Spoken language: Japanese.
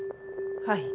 はい。